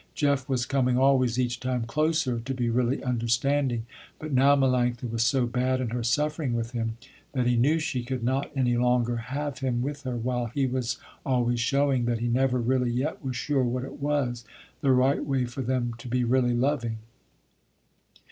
Jeff was coming always each time closer to be really understanding, but now Melanctha was so bad in her suffering with him, that he knew she could not any longer have him with her while he was always showing that he never really yet was sure what it was, the right way, for them to be really loving.